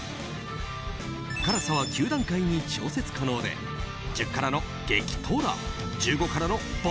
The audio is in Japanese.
辛さは９段階に調節可能で１０辛の激トラ、１５辛の爆